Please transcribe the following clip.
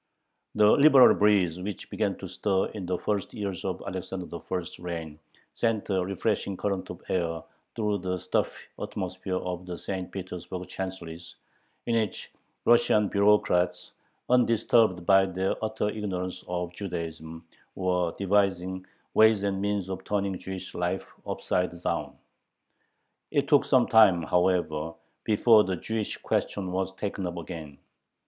The liberal breeze which began to stir in the first years of Alexander I.'s reign sent a refreshing current of air through the stuffy atmosphere of the St. Petersburg chancelleries, in which Russian bureaucrats, undisturbed by their utter ignorance of Judaism, were devising ways and means of turning Jewish life upside down. It took some time, however, before the Jewish question was taken up again.